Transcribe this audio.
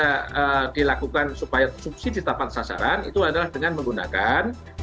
nah oleh karena itu satu satunya yang bisa dilakukan supaya subsidi tetapan sasaran itu adalah dengan menggunakan account based accounting itu